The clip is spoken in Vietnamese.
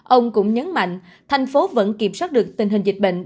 ông cũng nhấn mạnh thành phố vẫn kiểm soát được tình hình dịch bệnh